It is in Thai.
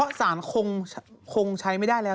เพราะสารคงใช้ไม่ได้แล้ว